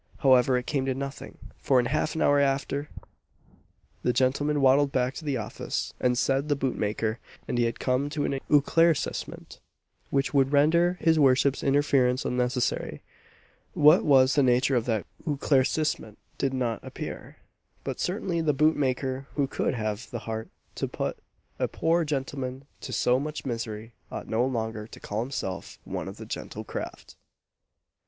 However, it came to nothing; for in half an hour after, the gentleman waddled back to the office, and said the boot maker and he had come to an éclaircissement which would render his worship's interference unnecessary. What was the nature of that éclaircissement did not appear; but certainly the boot maker who could have the heart to put a poor gentleman to so much misery ought no longer to call himself one of the "gentle craft."